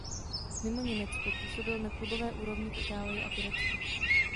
Mimo Německo působil na klubové úrovni v Itálii a Turecku.